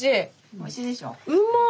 おいしいでしょ。